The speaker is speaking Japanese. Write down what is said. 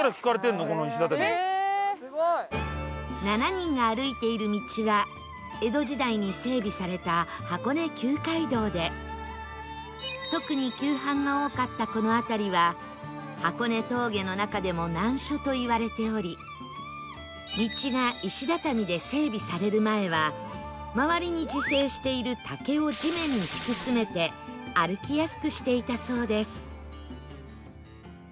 ７人が歩いている道は江戸時代に整備された箱根旧街道で特に急坂が多かったこの辺りは箱根峠の中でも難所といわれており道が石畳で整備される前は周りに自生している竹を地面に敷き詰めて歩きやすくしていたそうです